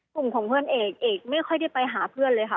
กลุ่มของเพื่อนเอกเอกไม่ค่อยได้ไปหาเพื่อนเลยค่ะ